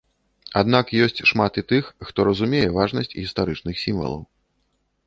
Аднак ёсць шмат і тых, хто разумее важнасць гістарычных сімвалаў.